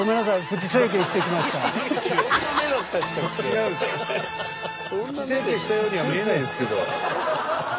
プチ整形したようには見えないですけど。